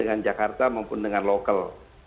dengan jakarta maupun dengan lokal